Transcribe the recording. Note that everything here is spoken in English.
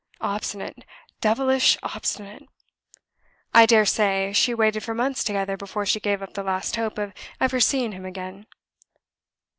Obstinate, devilish obstinate. I dare say she waited for months together before she gave up the last hope of ever seeing him again."